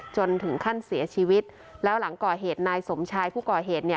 จนถึงขั้นเสียชีวิตแล้วหลังก่อเหตุนายสมชายผู้ก่อเหตุเนี่ย